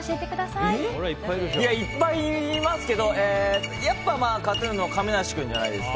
いっぱいいますけどやっぱり、ＫＡＴ‐ＴＵＮの亀梨君じゃないですか。